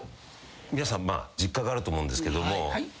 皆さん実家があると思うんですけども。